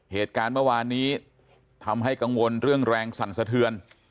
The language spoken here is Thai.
เหตุการณ์เมื่อวานนี้ทำให้กังวลเรื่องแรงสั่นสะเทือน